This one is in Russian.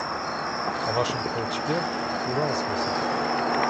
О вашем Колчаке – Урал спросите!